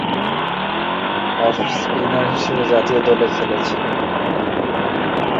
Off-spinner হিসেবে জাতীয় দলে খেলেছেন।